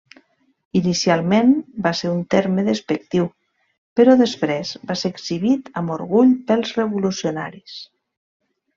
Inicialment, va ser un terme despectiu, però després va ser exhibit amb orgull pels revolucionaris.